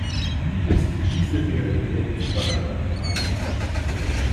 Wie ist diese Realität zu behandeln?